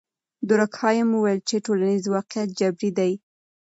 دورکهایم وویل چې ټولنیز واقعیت جبري دی.